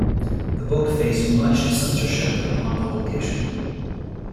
The book faced much censorship upon publication.